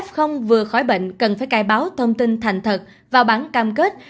f vừa khỏi bệnh cần phải cài báo thông tin thành thật vào bản cam kết